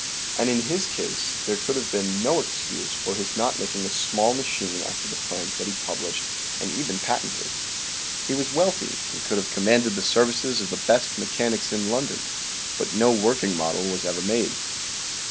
And in his case there could have been no excuse for his not making a small machine "after the plans that he published and even patented. He was wealthy and could have commanded the services of the best mechanics in London, but no working model was ever made.